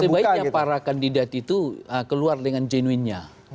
sebaiknya para kandidat itu keluar dengan genuinnya